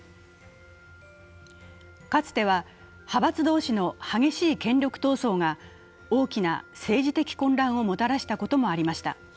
かつては派閥同士の激しい権力闘争が大きな政治的混乱をもたらしたこともありました。